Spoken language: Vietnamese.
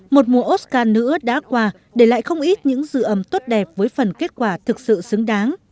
một mùa oscar nữ ớt đã qua để lại không ít những dự âm tốt đẹp với phần kết quả thực sự xứng đáng